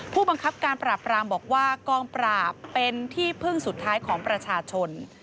ผู้บังคับการปราบรามบอกว่ากองปราบเป็นที่พึ่งสุดท้ายของประชาชน